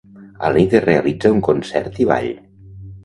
A la nit es realitza un concert i ball.